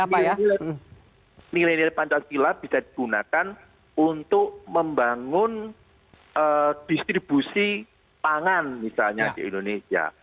artinya nilai nilai pancasila bisa digunakan untuk membangun distribusi pangan misalnya di indonesia